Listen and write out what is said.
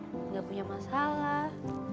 kom idea masa elah